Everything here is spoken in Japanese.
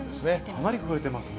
かなり増えてますね。